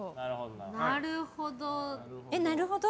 なるほど。